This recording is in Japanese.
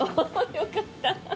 よかった。